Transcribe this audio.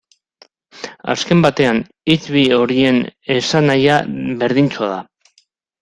Azken batean, hitz bi horien esanahia berdintsua da.